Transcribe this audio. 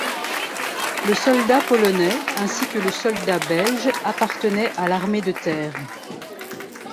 Le soldat polonais, ainsi que le soldat belge appartenaient à l'armée de terre.